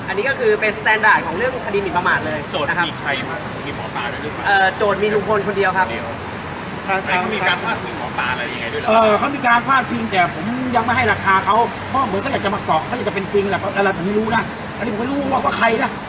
อันนี้ก็คือเป็นของเรื่องคดีมิตรประมาทเลยนะครับโจทย์มีใครมา